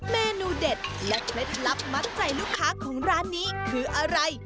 เมนูเด็ดและเคล็ดลับมัดใจลูกค้าของร้านนี้คืออะไร